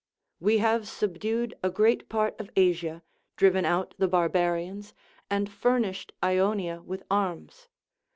AVe have subdued a great part of Asia, driven out the barbarians, and furnished Ionia with arms.